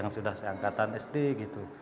sudah seangkatan sd gitu